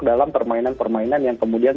dalam permainan permainan yang kemudian